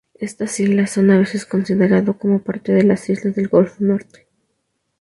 Estas islas son a veces considerado como parte de las islas del Golfo Norte.